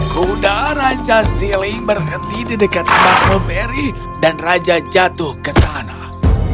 kuda raja siling berhenti di dekat smart roberry dan raja jatuh ke tanah